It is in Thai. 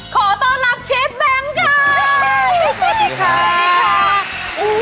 ขอต้อนรับเชฟแบงค์คะงั้นค่ะค่ะสวัสดีค่ะ